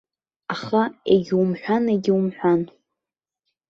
Аха, егьаумҳәан, егьаумҳәан.